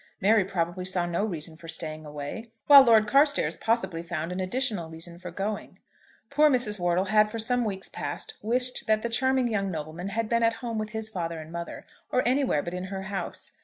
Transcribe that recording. Mary probably saw no reason for staying away, while Lord Carstairs possibly found an additional reason for going. Poor Mrs. Wortle had for some weeks past wished that the charming young nobleman had been at home with his father and mother, or anywhere but in her house.